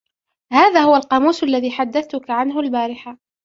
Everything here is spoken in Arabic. هذا هو القاموس الذي حدثتك عنه البارحة.